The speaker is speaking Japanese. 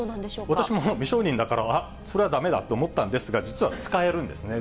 私も未承認だから、あっ、それはだめだと思ったんですが、実は、使えるんですね。